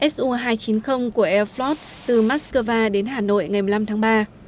hai su hai trăm chín mươi của airflot từ moscow đến hà nội ngày một mươi năm tháng ba